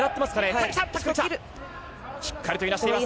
しっかりといなしています。